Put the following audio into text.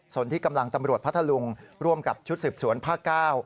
ส่วนที่กำลังตำรวจพัทธลุงร่วมกับชุดสืบสวนภาค๙